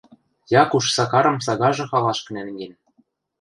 Якуш Сакарым сагажы халашкы нӓнген.